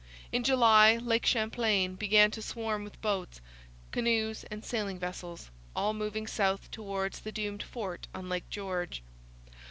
In July Lake Champlain began to swarm with boats, canoes, and sailing vessels, all moving south towards the doomed fort on Lake George.